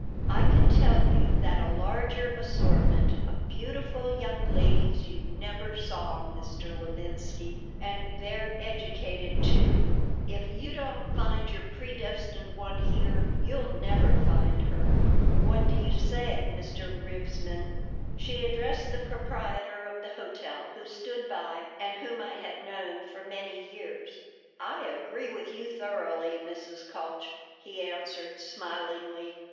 I can tell you that a larger assortment of beautiful young ladies you never saw, Mr. Levinsky. And they're educated, too. If you don't find your predestined one here you'll never find her. What do you say, Mr. Rivesman?" she addressed the proprietor of the hotel, who stood by and whom I had known for many years "I agree with you thoroughly, Mrs. Kalch," he answered, smilingly.